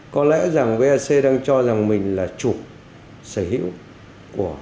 có lẽ rằng vac đang cho rằng mình là chủ sở hữu của